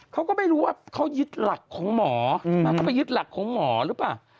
เขาก็ไม่รู้ว่าเขายึดหลักของหมอเขาไปยึดหลักของหมอหรือเปล่า